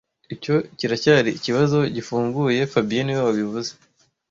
Icyo kiracyari ikibazo gifunguye fabien niwe wabivuze